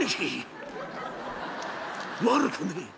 「悪くねえ。